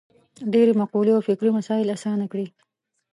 ډېرې مقولې او فکري مسایل اسانه کړي.